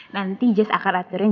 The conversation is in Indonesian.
nanti jess akan aturin